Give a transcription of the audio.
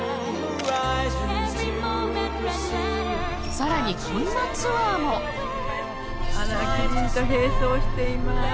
さらにこんなツアーもあのキリンと並走しています